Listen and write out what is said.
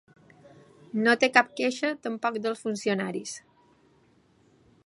No té cap queixa tampoc dels funcionaris.